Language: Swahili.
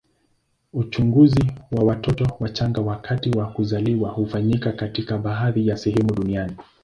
Uchunguzi wa watoto wachanga wakati wa kuzaliwa hufanyika katika baadhi ya sehemu duniani.